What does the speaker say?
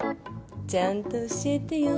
ちゃんと教えてよ